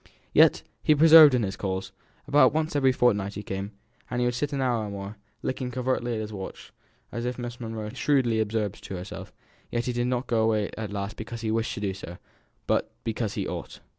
Yet he persevered in his calls; about once every fortnight he came, and would sit an hour or more, looking covertly at his watch, as if as Miss Monro shrewdly observed to herself, he did not go away at last because he wished to do so, but because he ought.